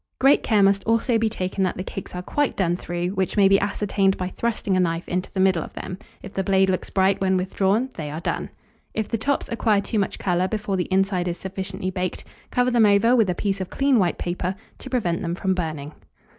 Great care must also be taken that the cakes are quite done through, which may be ascertained by thrusting a knife into the middle of them: if the blade looks bright when withdrawn, they are done. If the tops acquire too much colour before the inside is sufficiently baked, cover them over with a piece of clean white paper, to prevent them from burning.